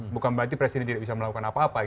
bukan berarti presiden tidak bisa melakukan apa apa